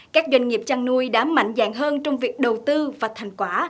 các doanh nghiệp chăn nuôi đã mạnh dạng hơn trong việc đầu tư và thành quả